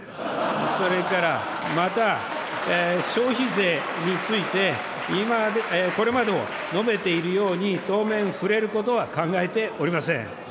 それからまた、消費税について、今、これまでも述べているように、当面、触れることは考えておりません。